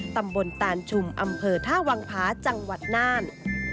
ตำบลตานชุมอำเภอท่าวังผาจังหวัดน่าน